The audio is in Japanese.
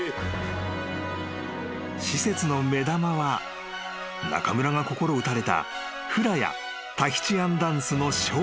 ［施設の目玉は中村が心打たれたフラやタヒチアンダンスのショー］